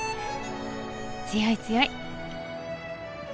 強い強い。